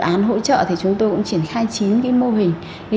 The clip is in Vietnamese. dự án hỗ trợ thì chúng tôi cũng triển khai chín mô hình